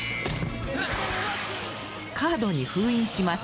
カードに封印します。